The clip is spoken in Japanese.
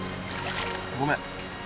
ごめん。